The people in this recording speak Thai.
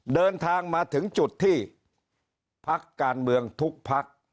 เดินทางมาถึงจุดที่พักการเมืองทุกพัก